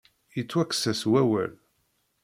Yettwakkes-as wawal.